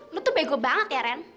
lu tuh bego banget ya ren